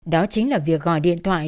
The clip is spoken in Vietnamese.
đó chính là việc gọi điện thoại